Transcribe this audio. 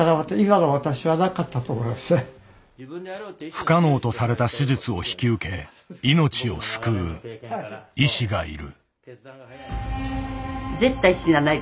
不可能とされた手術を引き受け命を救う医師がいる。